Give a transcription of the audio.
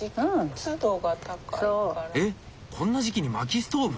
えっこんな時期に薪ストーブ？